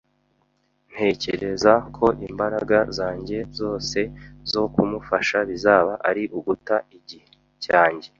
Ntekereza ko imbaraga zanjye zose zo kumufasha bizaba ari uguta igihe cyanjye